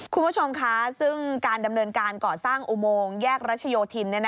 คุณผู้ชมคะซึ่งการดำเนินการก่อสร้างอุโมงแยกรัชโยธิน